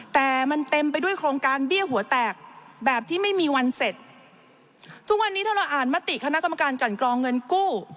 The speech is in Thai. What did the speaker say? แต่มันเต็มไปด้วยโครงการเบี้ยหัวแตกแบบที่ไม่มีวันเสร็จทุกวันนี้ถ้าเราอ่านมติคณะกรรมการกันกรองเงินกู้